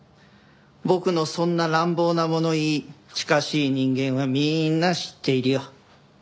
僕のそんな乱暴な物言い近しい人間はみんな知っているよ。